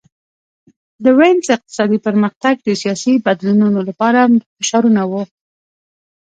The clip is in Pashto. د وینز اقتصادي پرمختګ د سیاسي بدلونونو لپاره فشارونه وو